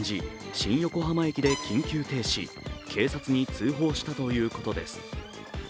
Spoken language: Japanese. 新横浜駅で緊急停止、警察に通報したということです。